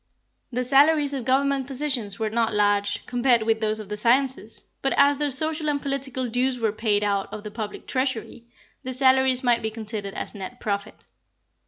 The salaries of Government positions were not large, compared with those of the sciences; but as their social and political dues were paid out of the public treasury, the salaries might be considered as net profit.